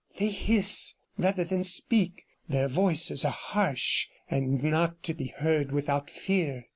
They hiss rather than speak; their voices are harsh, and not to be heard without fear.